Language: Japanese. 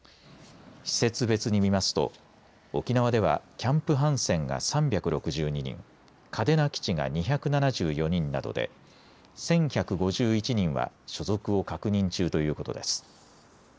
施設別に見ますと沖縄ではキャンプ・ハンセンが３６２人嘉手納基地が２７４人などで１１５１人は所属を確認中ということです。